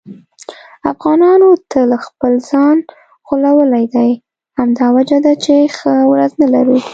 افغانانو تل خپل ځان غولولی دی. همدا وجه ده چې ښه ورځ نه لرو.